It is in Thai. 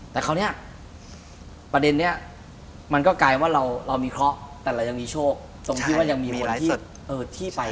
แต่คราวนี้ประเด็นนี้มันก็กลายว่าเรามีเคราะห์แต่เรายังมีโชคตรงที่ว่ายังมีเวลาที่ไป